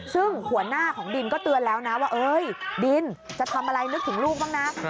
ซึ่งหัวหน้าของดินก็เตือนแล้วนะว่าดินจะทำอะไรนึกถึงลูกบ้างนะ